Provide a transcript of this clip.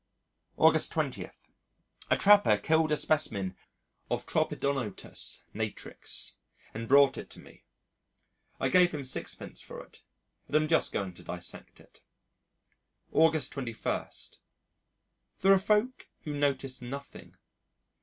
August 20. A trapper killed a specimen of Tropidonotus natrix and brought it to me. I gave him sixpence for it and am just going to dissect it. August 21. There are folk who notice nothing.